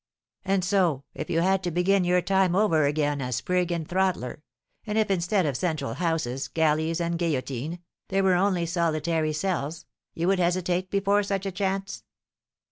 "And so, if you had to begin your time over again as prig and throttler, and if, instead of central houses, galleys, and guillotine, there were only solitary cells, you would hesitate before such a chance?"